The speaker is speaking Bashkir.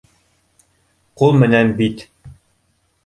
Ҡул менән бит